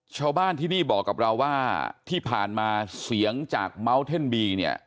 ชาวบ้านที่นี่บอกกับเราว่าที่ผ่านมาเสียงจากเมาส์เท่นบีเนี่ย